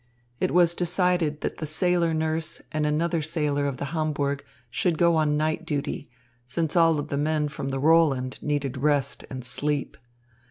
It was decided that the sailor nurse and another sailor of the Hamburg should go on night duty, since all the men from the Roland needed rest and sleep.